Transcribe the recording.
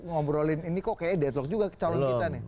ngobrolin ini kok kayaknya deadlock juga ke calon kita nih